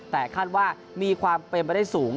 แต่คาดว่ามีความเป็นไปได้สูง